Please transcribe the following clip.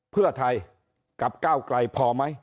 เพื่อไทยกับก้าวไกลพอไหม